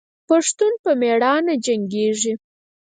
پښتون په میړانه جنګیږي.